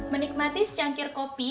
menikmati secangkir kota